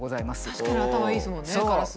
確かに頭いいですもんねカラス。